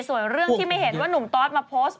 ส่วนเรื่องที่ไม่เห็นว่านุ่มตอสมาโพสต์